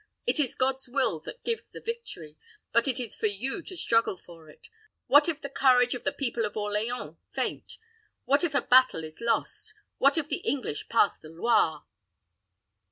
It is God's will that gives the victory; but it is for you to struggle for it. What if the courage of the people of Orleans faint? what if a battle is lost? what if the English pass the Loire!"